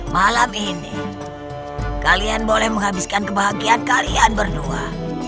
malam ini kalian boleh menghabiskan kebahagiaan kalian berdua